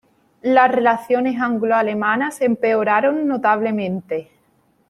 Las relaciones anglo-alemanas empeoraron notablemente.